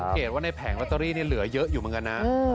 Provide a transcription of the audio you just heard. เชิญว่าในแผงรอตารีเหนเหลือเยอะอยู่เหมือนกันน่ะ